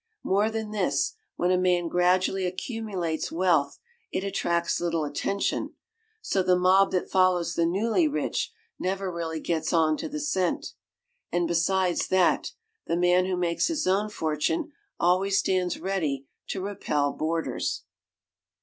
More than this, when a man gradually accumulates wealth, it attracts little attention, so the mob that follows the newly rich never really gets on to the scent. And besides that, the man who makes his own fortune always stands ready to repel boarders.